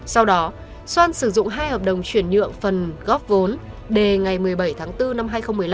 sau đó soan sử dụng hai hợp đồng chuyển nhựa phần góp vốn đề ngày một mươi bảy tháng bốn năm hai nghìn một mươi năm